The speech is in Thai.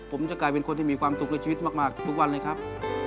ผมจะกลายเป็นคนที่มีความสุขในชีวิตมากทุกวันเลยครับ